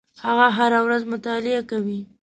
هغه هره ورځ مطالعه کوي.